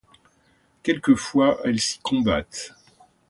Quelquefois elles s'y combattent.